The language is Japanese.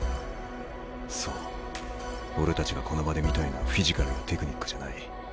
そう俺たちがこの場で見たいのはフィジカルやテクニックじゃない。